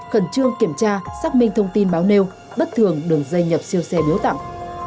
khẩn trương kiểm tra xác minh thông tin báo nêu bất thường đường dây nhập siêu xe biểu tạng